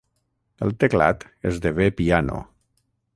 El teclat esdevé piano.